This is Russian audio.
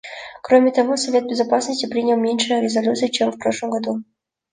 Кроме того, Совет Безопасности принял меньше резолюций, чем в прошлом году.